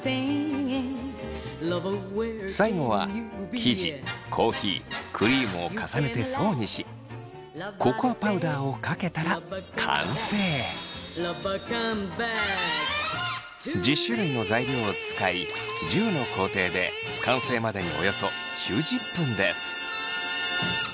最後は生地コーヒークリームを重ねて層にしココアパウダーをかけたら１０種類の材料を使い１０の工程で完成までにおよそ９０分です。